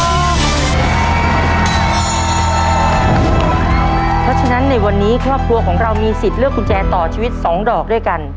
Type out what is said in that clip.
เพราะฉะนั้นในวันนี้ครอบครัวของเรามีสิทธิ์เลือกกุญแจต่อชีวิต๒ดอกด้วยกัน